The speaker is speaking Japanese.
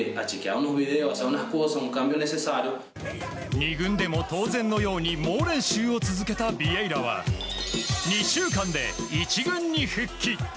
２軍でも当然のように猛練習を続けたビエイラは２週間で１軍に復帰。